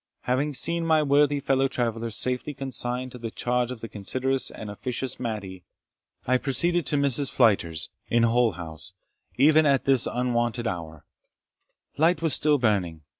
Having seen my worthy fellow traveller safely consigned to the charge of the considerate and officious Mattie, I proceeded to Mrs. Flyter's, in whose house, even at this unwonted hour, light was still burning.